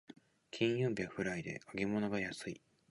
金曜日はフライデー、揚げ物が安い